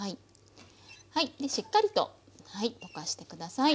でしっかりと溶かして下さい。